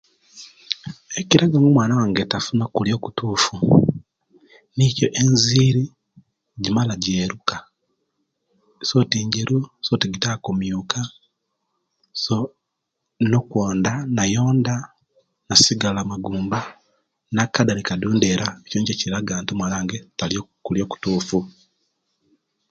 Ekiraga nga omwana wange tafuna okulia okutufu nikyo enziri jimala nijeruuka soti injeru soti jitaka kumioka so no'okwonda nayonda nasigala magumba nakada nekadundeera ekyo nikyo ekiraga nti omwana wange talya okulya okutufu